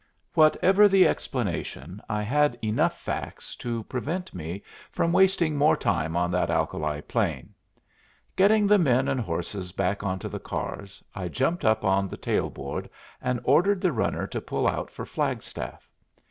Whatever the explanation, I had enough facts to prevent me from wasting more time on that alkali plain. Getting the men and horses back onto the cars, I jumped up on the tail board and ordered the runner to pull out for Flagstaff.